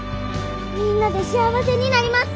みんなで幸せになります！